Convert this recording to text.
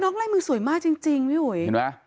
น้องลายมือสวยมากจริงวิวุย